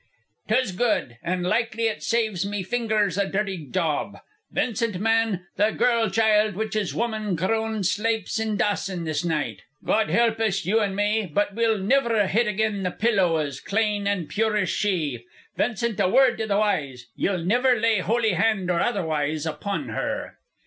"'Tis good. An' likely it saves me fingers a dirty job. Vincent, man, the girl child which is woman grown slapes in Dawson this night. God help us, you an' me, but we'll niver hit again the pillow as clane an' pure as she! Vincent, a word to the wise: ye'll niver lay holy hand or otherwise upon her."